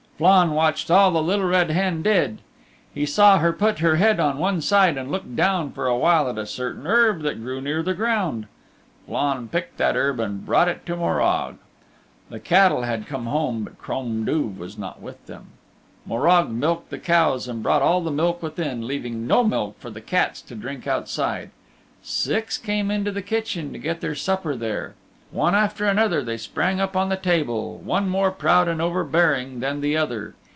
Flann watched all the Little Red Hen did. He saw her put her head on one side and look down for a while at a certain herb that grew near the ground. Flann plucked that herb and brought it to Morag. The cattle had come home, but Crom Duv was not with them. Morag milked the cows and brought all the milk within, leaving no milk for the cats to drink outside. Six came into the kitchen to get their supper there. One after another they sprang up on the table, one more proud and overbearing than the other.